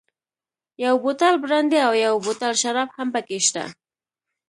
یو بوتل برانډي او یو بوتل شراب هم پکې شته.